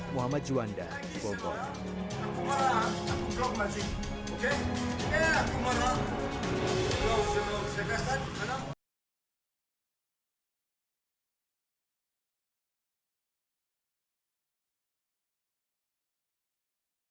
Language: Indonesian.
muhammad juanda bogor